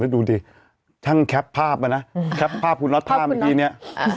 ดูดิช่างแคปภาพมานะแคปภาพคุณน็อตภาพเมื่อกี้เนี่ย